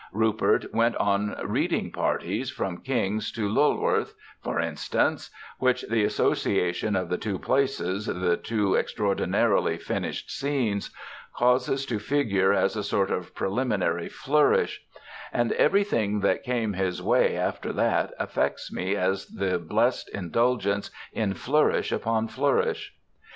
Rupert went on reading parties from King's to Lulworth for instance, which the association of the two places, the two so extraordinarily finished scenes, causes to figure as a sort of preliminary flourish; and everything that came his way after that affects me as the blest indulgence in flourish upon flourish.